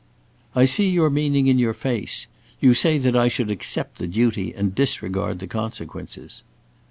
"I see your meaning in your face. You say that I should accept the duty and disregard the consequences."